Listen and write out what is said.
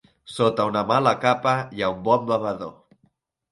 Sota una mala capa hi ha un bon bevedor.